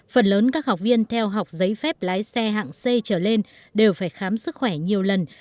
phần lớn các học viên theo học giấy phép lái xe hạng c trở lên đều phải khám sức khỏe nhiều lần